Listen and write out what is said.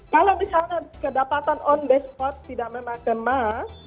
kalau misalnya kedapatan on base spot tidak memang kemas